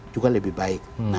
juga lebih baik